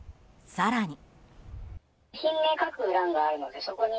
更に。